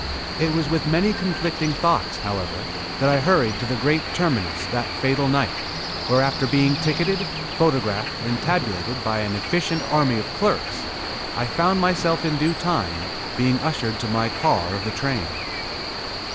It was with many conflicting thoughts, however, that I hurried to the great Terminus that fatal night, where after being ticketed, photographed and tabulated by an efficient army of clerks, I found myself in due time, being ushered to my car of the train.